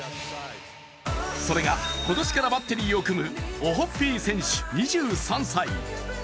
それが今年からバッテリーを組むオホッピー選手２３歳。